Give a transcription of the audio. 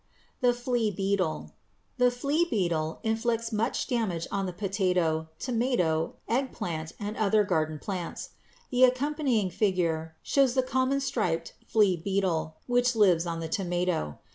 =The Flea Beetle.= The flea beetle inflicts much damage on the potato, tomato, eggplant, and other garden plants. The accompanying figure shows the common striped flea beetle which lives on the tomato.